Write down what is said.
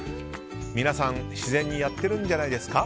皆さん、自然にやってるんじゃないですか？